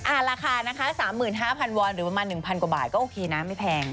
ราคานะคะ๓๕๐๐วอนหรือประมาณ๑๐๐กว่าบาทก็โอเคนะไม่แพง